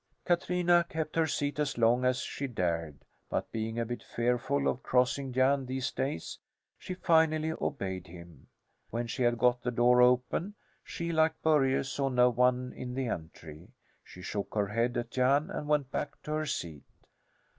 Katrina kept her seat as long as she dared; but being a bit fearful of crossing Jan these days, she finally obeyed him. When she had got the door open, she, like Börje, saw no one in the entry. She shook her head at Jan and went back to her seat.